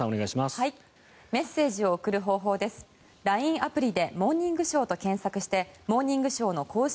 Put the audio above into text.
アプリで「モーニングショー」と検索して「モーニングショー」の公式